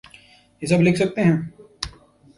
یہ سب لکھ سکتے ہیں؟